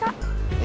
jadi lima ratus kak